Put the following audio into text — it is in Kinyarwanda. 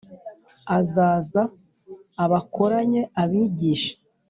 Azaza abakoranye abigishe